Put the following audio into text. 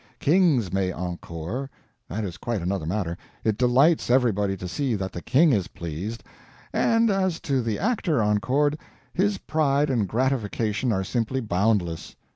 Kings may encore; that is quite another matter; it delights everybody to see that the King is pleased; and as to the actor encored, his pride and gratification are simply boundless.